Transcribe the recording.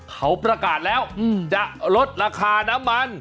เขาประกาศแล้วจะลดราคาน้ำมัน